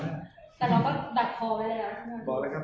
แต่เราก็ดัดพอไว้แล้วครับ